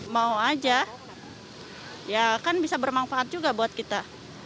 mau aja ya kan bisa bermanfaat juga buat kita